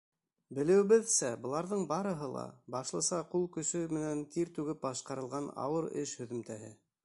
Белеүебеҙсә, быларҙың барыһы ла — башлыса ҡул көсө менән тир түгеп башҡарылған ауыр эш һөҙөмтәһе.